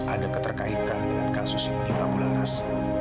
ada keterkaitan dengan kasus yang menimpa bularas